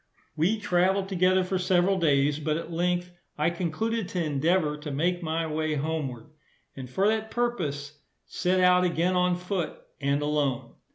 We traveled together for several days, but at length I concluded to endeavour to make my way homeward; and for that purpose set out again on foot, and alone.